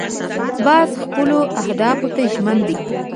باز خپلو اهدافو ته ژمن دی